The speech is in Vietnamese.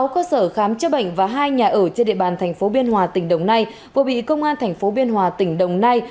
sáu cơ sở khám chữa bệnh và hai nhà ở trên địa bàn thành phố biên hòa tỉnh đồng nai vừa bị công an tp biên hòa tỉnh đồng nai